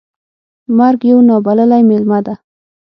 مرګ یو نا بللی میلمه ده .